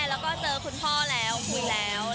แล้วก็เจอคุณพ่อแล้วคุยแล้ว